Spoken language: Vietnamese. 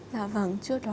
dạ vâng trước đó